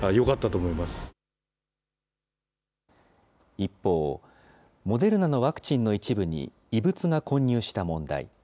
一方、モデルナのワクチンの一部に異物が混入した問題。